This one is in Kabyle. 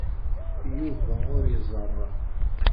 Yuba ur iẓerr.